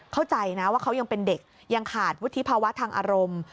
เข้าใจนะว่าเขายังเป็นเด็กยังขาดวุฒิภาวะทางอารมณ์